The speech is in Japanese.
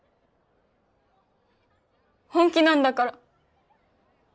本気なんだから。